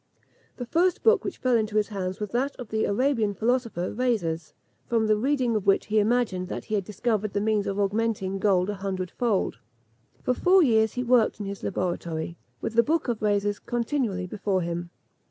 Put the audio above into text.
The first book which fell into his hands was that of the Arabian philosopher Rhazes, from the reading of which he imagined that he had discovered the means of augmenting gold a hundredfold. For four years he worked in his laboratory, with the book of Rhazes continually before him.